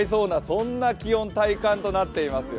そんな気温、体感となっていますよ